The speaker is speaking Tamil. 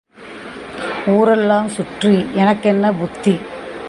ஊர் எல்லாம் சுற்றி எனக்கென்ன புத்தி?